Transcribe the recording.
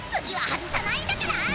次は外さないんだから！